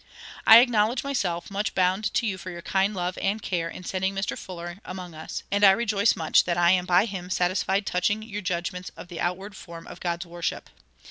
"I acknowledge myself much bound to you for your kind love and care in sending Mr. Fuller among us, and I rejoice much that I am by him satisfied touching your judgments of the outward form of God's worship.